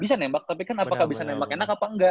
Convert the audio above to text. bisa nembak tapi kan apakah bisa nembak enak apa enggak